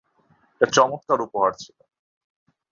এটা চমৎকার উপহার ছিল।